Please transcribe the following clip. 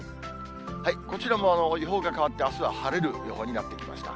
こちらも予報が変わって、あすは晴れる予報になってきました。